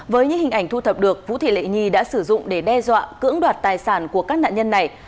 với những hình ảnh thu thập được vũ thị lệ nhi đã sử dụng để đe dọa cưỡng đoạt tài sản của các nạn nhân này